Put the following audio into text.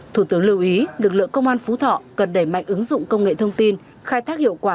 thủ tướng lưu ý lực lượng công an phú thọ cần đẩy mạnh ứng dụng công nghệ thông tin khai thác hiệu quả